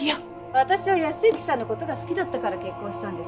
私は靖之さんの事が好きだったから結婚したんです。